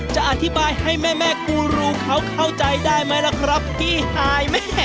จะอธิบายให้แม่กูรูเขาเข้าใจได้ไหมล่ะครับพี่ฮายแม่